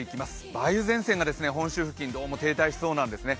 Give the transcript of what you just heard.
梅雨前線が本州付近どうも停滞しそうなんですね。